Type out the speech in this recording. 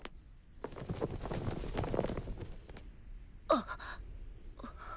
あっ。